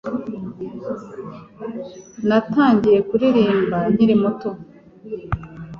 Natangiye kuririmba nkiri muto.